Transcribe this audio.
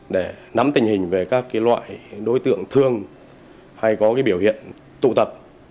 để nắm tình hình về các loại đối tượng thường hay có biểu hiện tụ tập